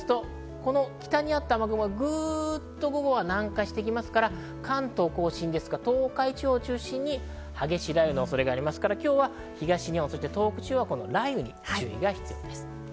この北にあった雨雲が南下してきますから、関東甲信、東海地方を中心に激しい雷雨の恐れがありますから東日本、東海地方は今日は雷雨に注意が必要です。